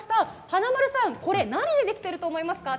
華丸さん、何でできていると思いますか？